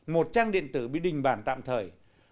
một trang điện tử bị đình bản tạm thời